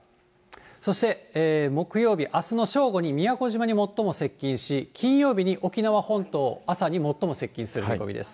そして木曜日、あすの正午に宮古島に最も接近し、金曜日に沖縄本島、朝に最も接近する見込みです。